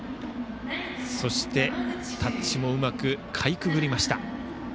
そしてタッチもうまくかいくぐりました。